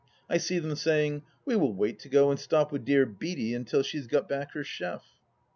I see them saying, " We will wait to go and stop with dear Beaty until she has got back her chef